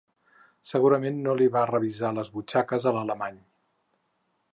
Segurament no li va revisar les butxaques a l'alemany.